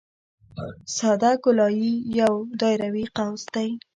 ساده ګولایي یو دایروي قوس دی